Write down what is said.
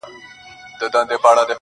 رنګېنې بڼي یې لمر ته ځلېدلې -